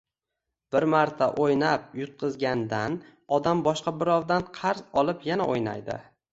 Bir marta oʻynab yutqazgandan odam boshqa birovdan qarz olib yana oʻynaydi.